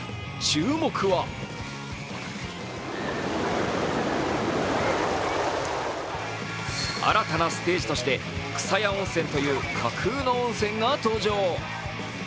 注目は新たなステージとして、クサヤ温泉という架空の温泉が登場。